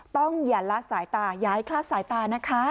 ต้องอย่าละสายตาอย่าให้คลาดสายตานะคะ